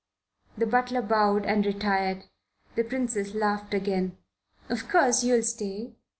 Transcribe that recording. The butler bowed and retired. The Princess laughed again. "Of course you'll stay.